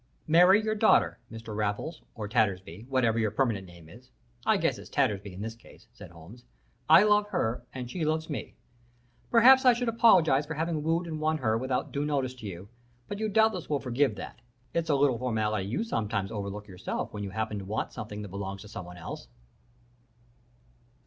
"'Marry your daughter, Mr. Raffles, or Tattersby, whatever your permanent name is I guess it's Tattersby in this case,' said Holmes. 'I love her and she loves me. Perhaps I should apologize for having wooed and won her without due notice to you, but you doubtless will forgive that. It's a little formality you sometimes overlook yourself when you happen to want something that belongs to somebody else.'